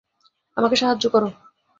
আমাকে সাহায্য কর।